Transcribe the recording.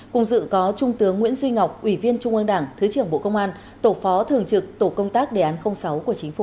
cùng dự có trung tướng nguyễn duy ngọc ủy viên trung ương đảng thứ trưởng bộ công an tổ phó thường trực tổ công tác đề án sáu của chính phủ